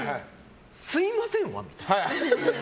すみませんは？みたいな。